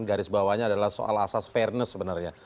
garis bawahnya adalah soal asas fairness sebenarnya